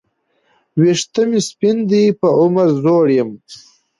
وېښته مي سپین دي په عمر زوړ یم